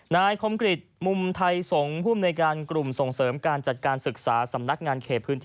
นายคมกริจมุมไทยสงฆ์ภูมิในการกลุ่มส่งเสริมการจัดการศึกษาสำนักงานเขตพื้นที่